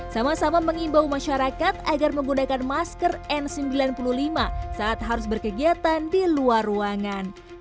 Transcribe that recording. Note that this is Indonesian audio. sama sama mengimbau masyarakat agar menggunakan masker n sembilan puluh lima saat harus berkegiatan di luar ruangan